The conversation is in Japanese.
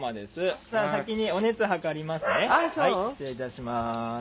失礼いたします。